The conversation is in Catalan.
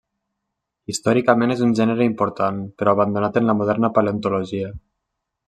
Històricament és un gènere important però abandonat en la moderna paleontologia.